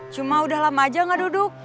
cuma udah lama aja gak duduk